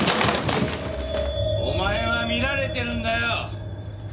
お前は見られてるんだよ。